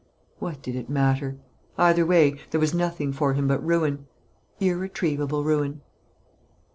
What did it matter? Either way, there was nothing for him but ruin irretrievable ruin.